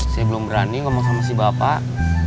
saya belum berani ngomong sama si bapak